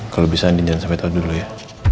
kalau bisa andi jangan sampai tau dulu ya